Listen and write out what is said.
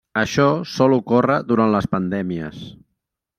Això sol ocórrer durant les pandèmies.